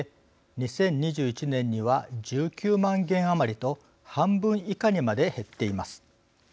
２０２１年には１９万件余りと半分以下にまで減っています。